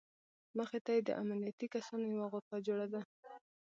مخې ته یې د امنیتي کسانو یوه غرفه جوړه ده.